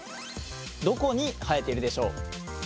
どこに生えているでしょう？